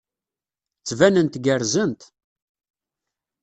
Ttbanent gerrzent.